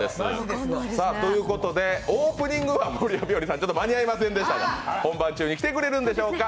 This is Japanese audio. オープニングには守谷日和さん間に合いませんでしたが本番中に来てくれるんでしょうか。